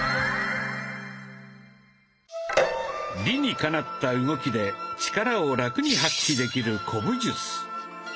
理にかなった動きで力をラクに発揮できる古武術。